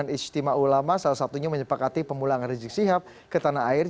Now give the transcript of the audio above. istimewa ulama salah satunya menyepakati pemulangan rizik sihab ke tanah air